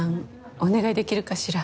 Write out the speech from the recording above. お願いできるかしら？